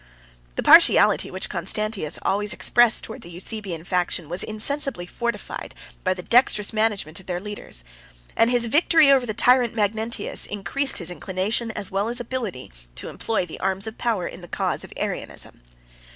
86 The partiality which Constantius always expressed towards the Eusebian faction, was insensibly fortified by the dexterous management of their leaders; and his victory over the tyrant Magnentius increased his inclination, as well as ability, to employ the arms of power in the cause of Arianism.